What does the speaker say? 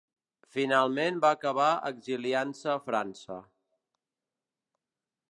Finalment va acabar exiliant-se a França.